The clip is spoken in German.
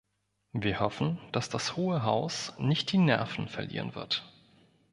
Wir hoffen, dass das Hohe Haus nicht die Nerven verlieren wird.